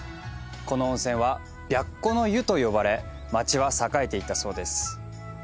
この温泉は「白狐の湯」と呼ばれ町は栄えていたそうです。